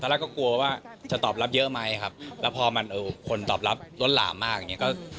แรกก็กลัวว่าจะตอบรับเยอะไหมครับแล้วพอมันคนตอบรับล้นหลามมากอย่างเงี้ย